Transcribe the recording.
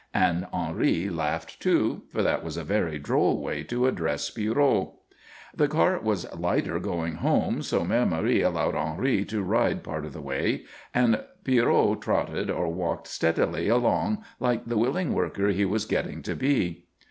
_" And Henri laughed, too, for that was a very droll way to address Pierrot. The cart was lighter going home, so Mère Marie allowed Henri to ride part of the way, and Pierrot trotted or walked steadily along like the willing worker he was getting to be.